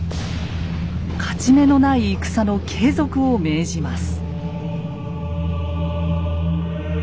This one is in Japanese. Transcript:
勝ち目のない戦の継続を命じます。